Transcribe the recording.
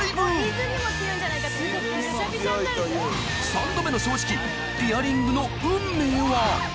三度目の正直ピアリングの運命は？